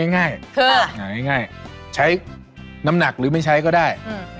ง่ายหาง่ายใช้น้ำหนักหรือไม่ใช้ก็ได้